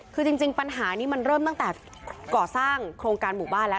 คือจริงปัญหานี้มันเริ่มตั้งแต่ก่อสร้างโครงการหมู่บ้านแล้ว